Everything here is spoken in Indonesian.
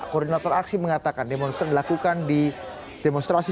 koordinator aksi mengatakan demonstrasi